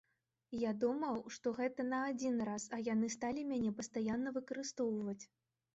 Я думаў, што гэта на адзін раз, а яны сталі мяне пастаянна выкарыстоўваць.